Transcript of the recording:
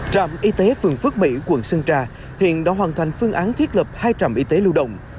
trạm y tế phường phước mỹ quận sơn trà hiện đã hoàn thành phương án thiết lập hai trạm y tế lưu động